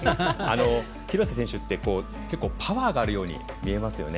廣瀬選手ってパワーがあるように見えますよね。